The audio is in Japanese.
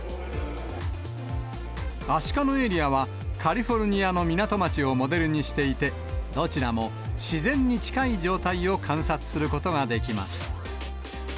アシカのエリアは、カリフォルニアの港町をモデルにしていて、どちらも自然に近い状態を観察することができます。